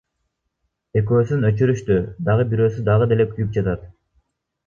Экөөсүн өчүрүштү, дагы бирөөсү дагы деле күйүп жатат.